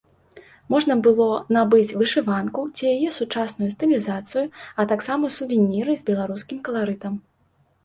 Можна было набыць вышыванку ці яе сучасную стылізацыю, а таксама сувеніры з беларускім каларытам.